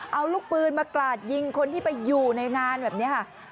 เอาลูกปืนมากราดยิงคนที่ไปอยู่ในงานแบบนี้ค่ะ